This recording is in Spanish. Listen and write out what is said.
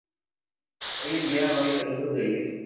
Hoy en día no hay trazas del mismo.